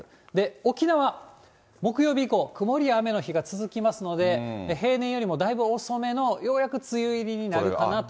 沖縄、木曜日以降、曇りや雨の日が続きますので、平年よりもだいぶ遅めのようやく梅雨入りになるかなと。